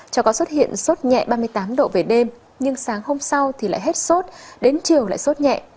cháu có xuất hiện sốt nhẹ ba mươi tám độ về đêm nhưng sáng hôm sau thì lại hết sốt đến chiều lại sốt nhẹ